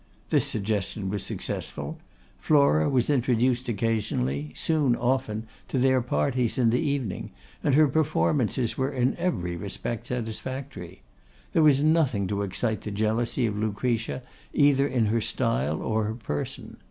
This suggestion was successful; Flora was introduced occasionally, soon often, to their parties in the evening, and her performances were in every respect satisfactory. There was nothing to excite the jealousy of Lucretia either in her style or her person.